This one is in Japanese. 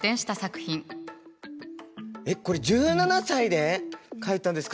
えっこれ１７歳で描いたんですか？